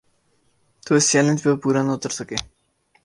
تو اس چیلنج پہ وہ پورا نہ اتر سکے۔